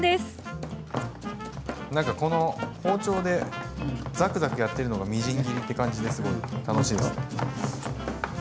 なんかこの包丁でザクザクやってるのがみじん切りって感じですごい楽しいです。